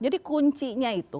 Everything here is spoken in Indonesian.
jadi kuncinya itu